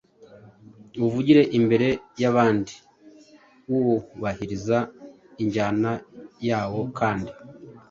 uwuvugire imbere y’abandi wubahiriza injyana yawo kandi